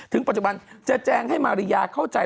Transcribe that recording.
ปัจจุบันจะแจงให้มาริยาเข้าใจ